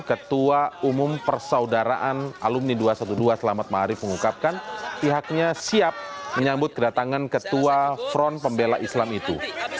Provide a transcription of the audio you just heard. ketua umum persaudaraan alumni dua ratus dua belas selamat ⁇ maarif mengungkapkan pihaknya siap menyambut kedatangan ketua front pembela islam itu